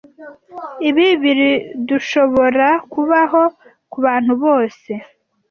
Ibi birdushoborakubaho kubantu bose.